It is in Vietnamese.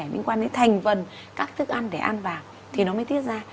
liên quan đến thành phần các thức ăn để ăn vào thì nó mới tiết ra